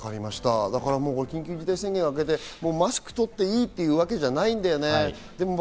緊急事態宣言が明けたからマスクを取っていいというわけじゃないんだよね。